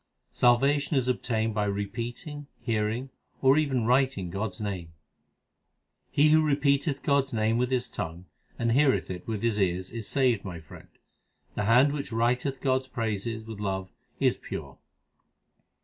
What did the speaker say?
Salvation is obtained by repeating, hearing, or even writing God s name : He who repeateth God s name with his tongue, and heareth it with his ears, is saved, my friend. The hand which writeth God s praises with love is pure.